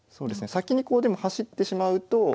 先にこうでも走ってしまうと。